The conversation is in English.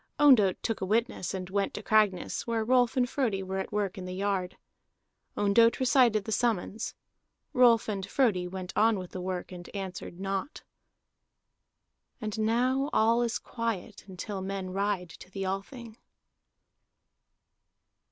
Ondott took a witness and went to Cragness, where Rolf and Frodi were at work in the yard. Ondott recited the summons; Rolf and Frodi went on with the work, and answered naught. And now all is quiet until men ride to the Althing.